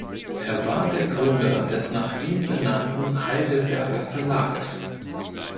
Er war der Gründer des nach ihm benannten Heidelberger Verlages.